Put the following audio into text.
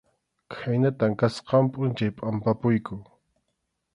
Khaynatam kasqan pʼunchaw pʼampapuyku.